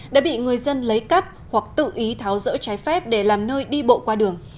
đã bị người dân lấy cắp hoặc tự ý tháo rỡ trái phép để làm nơi đi bộ qua đường